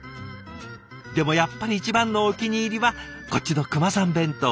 でもやっぱり一番のお気に入りはこっちの「クマさん弁当」。